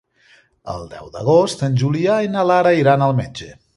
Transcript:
El deu d'agost en Julià i na Lara iran al metge.